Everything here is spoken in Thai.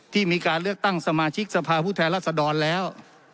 มีการเลือกตั้งสมาชิกสภาพผู้แทนรัศดรแล้ว